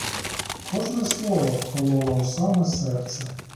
Кожне слово кололо у саме серце.